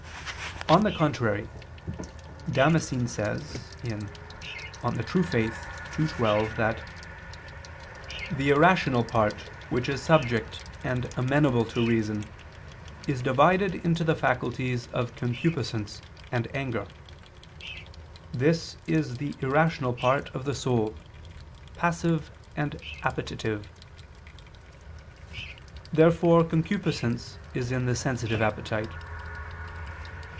On the contrary, Damascene says (De Fide Orth. ii, 12) that "the irrational part which is subject and amenable to reason, is divided into the faculties of concupiscence and anger. This is the irrational part of the soul, passive and appetitive." Therefore concupiscence is in the sensitive appetite.